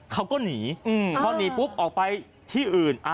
เขาก็หนีพอหนีปุ๊บออกไปที่อื่น